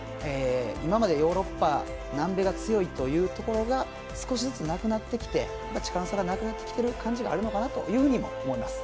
今まで、ヨーロッパ南米が強いというところが少しずつなくなってきて力の差がなくなってきてる感じがあるのかなとも思います。